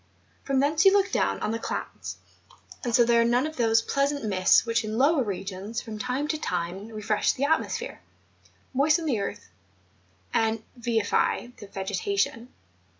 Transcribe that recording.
P"rom thence you look down on the clouds; and so there are none of those pleasant 2U MOUNTAIN ADVENTURES. mists which in lower regions, from time to time re¬ fresh the atmosphere, moisten the earth, and vivify the vegetation.